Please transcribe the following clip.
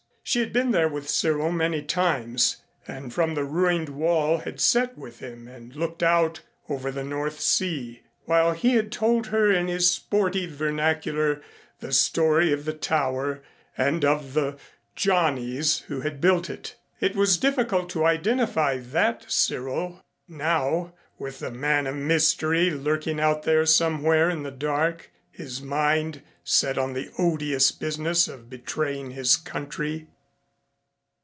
She had been there with Cyril many times, and from the ruined wall had sat with him and looked out over the North Sea, while he had told her in his sportive vernacular the story of the tower and of the "Johnnies" who had built it. It was difficult to identify that Cyril now with the man of mystery lurking out here somewhere in the dark, his mind set on the odious business of betraying his country.